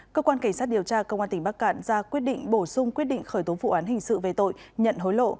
cơ quan cảnh sát điều tra công an tỉnh bắc cạn ra quyết định bổ sung quyết định khởi tố vụ án hình sự về tội nhận hối lộ